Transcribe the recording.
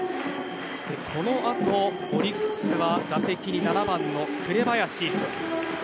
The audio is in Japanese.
このあとオリックスは打席に７番の紅林。